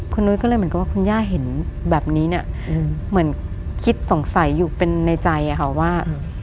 คุณนุ้ยก็เลยเหมือนกับว่าคุณย่าเห็นแบบนี้เนี่ยเหมือนคิดสงสัยอยู่เป็นในใจอะค่ะว่า